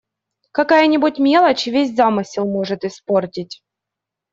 Какая-нибудь мелочь, весь замысел может испортить!